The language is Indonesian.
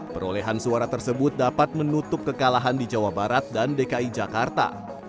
perolehan suara tersebut dapat menutup kekalahan di jawa barat dan dki jakarta